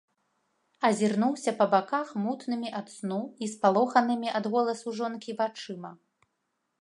Азірнуўся па баках мутнымі ад сну і спалоханымі ад голасу жонкі вачыма.